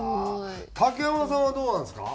竹山さんはどうなんですか？